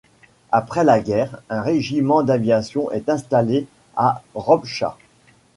Après la guerre, un régiment d'aviation est installé à Ropcha.